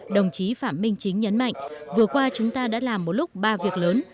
đồng chí phạm minh chính nhấn mạnh vừa qua chúng ta đã làm một lúc ba việc lớn